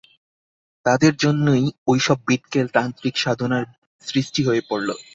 তাঁদের জন্যই ঐ-সব বিটকেল তান্ত্রিক সাধনার সৃষ্টি হয়ে পড়ল।